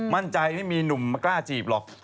มั่นใจไม่มีหนุ่มมากล้าจีบหรอก